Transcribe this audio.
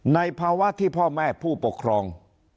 ในภาวะที่พ่อแม่ผู้ปกครอง